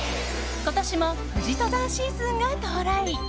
今年も富士登山シーズンが到来。